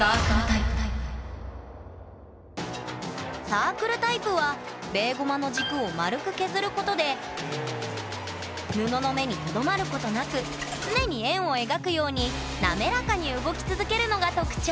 サークルタイプはベーゴマの軸を丸く削ることで布の目にとどまることなく常に円を描くようになめらかに動き続けるのが特徴！